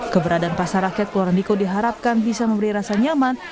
keberadaan pasar rakyat keluar niko diharapkan bisa memberi rasa nyaman